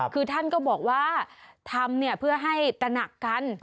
คือท่านก็บอกว่าทำเพื่อให้ตระหนักกัน